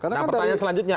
nah pertanyaan selanjutnya